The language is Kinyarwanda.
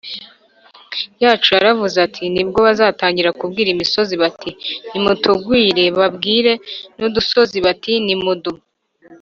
yacu yaravuze ati, “ni bwo bazatangira kubwira imisozi bati, nimutugwire, babwire n’udusozi bati nimudu